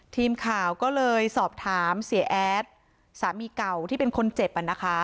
ทีมข่าวก็เลยสอบถามเสียแอดสามีเก่าที่เป็นคนเจ็บ